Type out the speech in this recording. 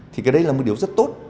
thì cái đấy là một điều rất tốt